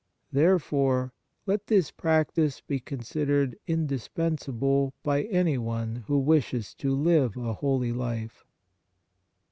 Therefore, let this practice be considered indispensable by anyone who wishes to live a holy life.